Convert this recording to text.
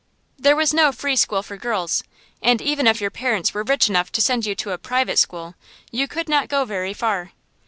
There was no free school for girls, and even if your parents were rich enough to send you to a private school, you could not go very far.